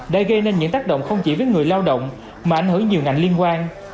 đã gây nên những tác động không chỉ với người lao động mà ảnh hưởng nhiều ngành liên quan